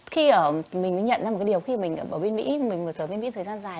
khi mình mới nhận ra một cái điều khi mình ở bên mỹ mình ở bên mỹ thời gian dài